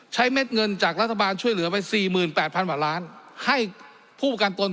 เม็ดเงินจากรัฐบาลช่วยเหลือไป๔๘๐๐๐กว่าล้านให้ผู้ประกันตน